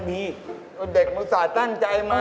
นี่น้ำทุกทุกหอม